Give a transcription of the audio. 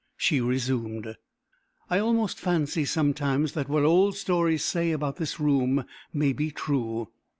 She resumed: "I almost fancy, sometimes, that what old stories say about this room may be true.